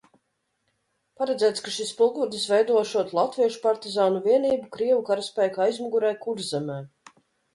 Paredzēts, ka šis pulkvedis veidošot latviešu partizānu vienību krievu karaspēka aizmugurē Kurzemē.